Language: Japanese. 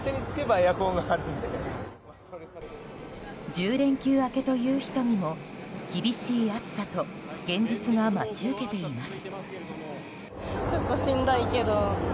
１０連休明けという人にも厳しい暑さと現実が待ち受けています。